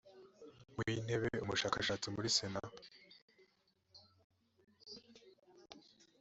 w intebe umushakashatsi muri sena